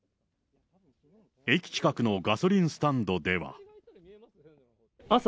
駅近くのガソリンスタンドでは。